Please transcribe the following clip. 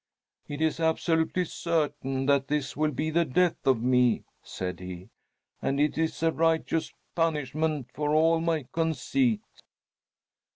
"It is absolutely certain that this will be the death of me!" said he. "And it is a righteous punishment for all my conceit."